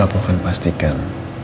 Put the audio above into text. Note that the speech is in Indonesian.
aku akan pastikan